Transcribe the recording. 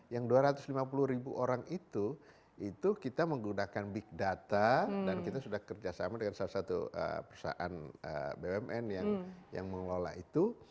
yang dua ratus lima puluh ribu orang itu itu kita menggunakan big data dan kita sudah kerjasama dengan salah satu perusahaan bumn yang mengelola itu